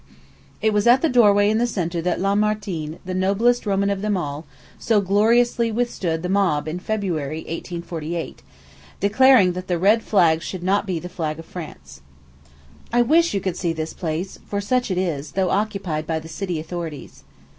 It was at the doorway in the centre that Lamartine, "the noblest Roman of them all," so gloriously withstood the mob in February, 1848, declaring that the red flag should not be the flag of France. I wish you could see this palace, for such it is, though occupied by the city authorities.